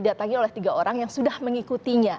tiba tiba diperas oleh tiga orang yang sudah mengikutinya